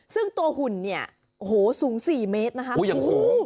ซึ่งตัวหุ่นเนี่ยโหสูง๔เมตรโหยังถูก